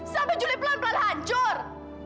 sampai juli pelan pelan hancur